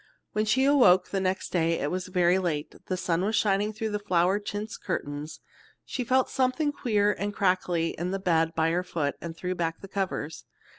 When she awoke next day it was very late, and the sun was shining through the flowered chintz curtains. She felt something queer and crackly in the bed by her foot, and threw back the covers.